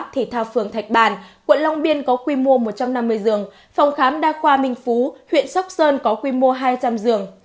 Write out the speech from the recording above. thể thao phường thạch bàn quận long biên có quy mô một trăm năm mươi giường phòng khám đa khoa minh phú huyện sóc sơn có quy mô hai trăm linh giường